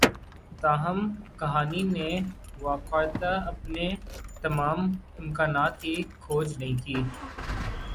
تاہم کہانی نے واقعتا اپنے تمام امکانات کی کھوج نہیں کی